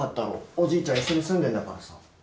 おじいちゃん一緒に住んでんだからさ。